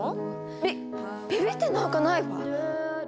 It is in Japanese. びびびってなんかないわ！